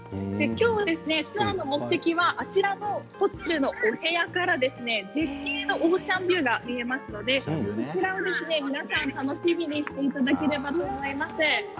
今日のツアーの目的はあちらのホテルの部屋から絶景のオーシャンビューが見えますのでそちらを皆さん楽しみにしていただければと思います。